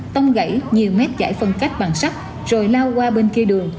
tông gãy nhiều mét giải phân cách bằng sắt rồi lao qua bên kia đường